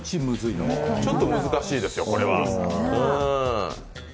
ちょっと難しいですよ、これは。